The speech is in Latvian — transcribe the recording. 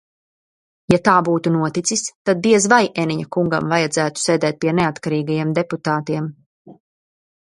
Ja tā būtu noticis, tad diez vai Eniņa kungam vajadzētu sēdēt pie neatkarīgajiem deputātiem?